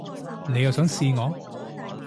你又想試我